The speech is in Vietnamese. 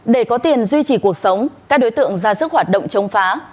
để có tiền duy trì cuộc sống các đối tượng ra sức hoạt động chống phá